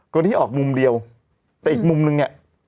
คนที่ออกมุมเดียวแต่อีกมุมนึงเนี่ย